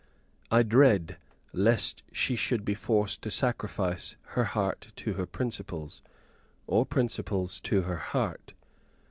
I dread lest she should be forced to sacrifice her heart to her principles, or principles to her heart.